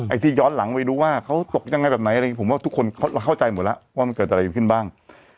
ที่ย้อนหลังไปดูว่าเขาตกยังไงแบบไหนอะไรอย่างนี้ผมว่าทุกคนเข้าใจหมดแล้วว่ามันเกิดอะไรขึ้นบ้าง